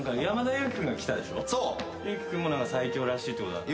裕貴君も最強らしいってことは言ってた。